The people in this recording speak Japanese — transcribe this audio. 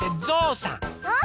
ぞうさん。